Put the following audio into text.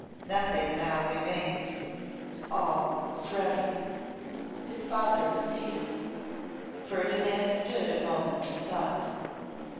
Nothing now remained. All was ready. His father was seated. Ferdinand stood a moment in thought.